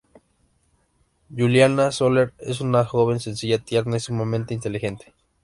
Juliana Soler es una joven sencilla, tierna y sumamente inteligente.